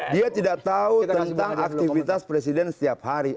dia tidak tahu tentang aktivitas presiden setiap hari